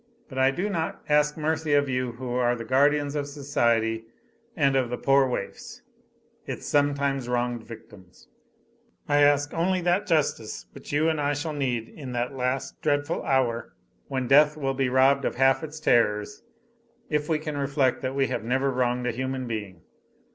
But I do not ask mercy of you who are the guardians of society and of the poor waifs, its sometimes wronged victims; I ask only that justice which you and I shall need in that last, dreadful hour, when death will be robbed of half its terrors if we can reflect that we have never wronged a human being.